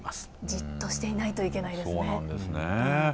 じっとしていないといけないですね。